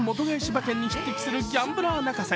馬券に匹敵するギャンブラー泣かせ。